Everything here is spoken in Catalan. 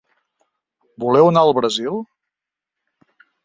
Voleu anar al Brasil?